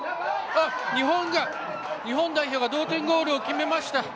日本代表が同点ゴールを決めました。